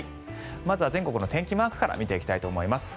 まずは全国の天気マークから見ていきたいと思います。